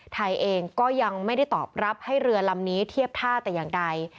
ไทยเองก็ยังไม่ได้ตอบรับให้เรือลำนี้เทียบท่าแต่อย่างใด